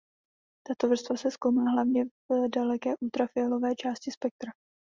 Tato vrstva se zkoumá hlavně v daleké ultrafialové části spektra.